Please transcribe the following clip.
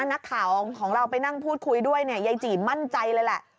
นักข่าวของเราไปนั่งพูดคุยด้วยเนี่ยยายจีบมั่นใจเลยแหละ